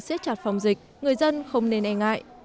xét chặt phòng dịch người dân không nên e ngại